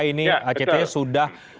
ini act sudah